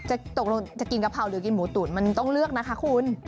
ตกลงจะกินกะเพราหรือกินหมูตุ๋นมันต้องเลือกนะคะคุณ